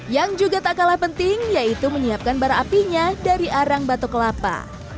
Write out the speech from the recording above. yang juga tak kalah penting yaitu menyiapkan bara apinya dari arang batu kelapa